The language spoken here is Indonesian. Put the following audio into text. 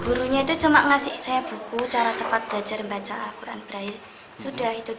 gurunya itu cuma ngasih saya buku cara cepat belajar membaca al quran brail sudah itu